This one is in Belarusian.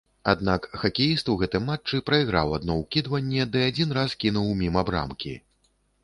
Аднак хакеіст у гэтым матчы прайграў адно ўкідванне ды адзін раз кінуў міма брамкі.